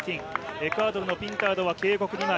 エクアドルのピンタードは警告２枚。